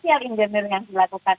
social engineering yang dilakukan